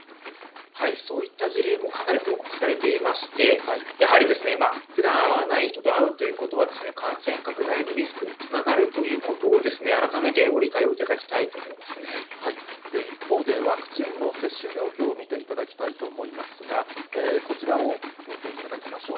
そういった事例もかなり報告されていまして、やはりふだん会わない人と会うということは、感染拡大のリスクにつながるということを、改めてご理解をいただ一方で、ワクチンの接種状況を見ていただきたいと思いますが、こちらを見ていただきましょう。